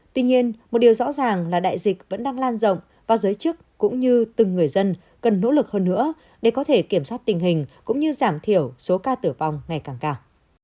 tuy nhiên một điều rõ ràng là đại dịch vẫn đang lan rộng và giới chức cũng như từng người dân cần nỗ lực hơn nữa để có thể kiểm soát tình hình cũng như giảm thiểu số ca tử vong ngày càng cao